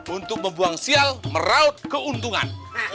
untuk membuang sial meraut keuntungan